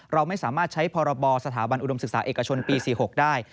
เราไม่สามารถใช้พรบสถาบันอุดมศึกษาเอกชนปี๔๖ได้